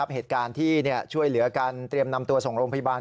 เหตุการณ์ที่ช่วยเหลือกันเตรียมนำตัวส่งโรงพยาบาล